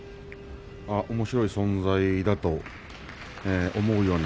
おもしろい存在だと思うような